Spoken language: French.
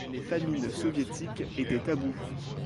Les famines soviétiques étaient tabous.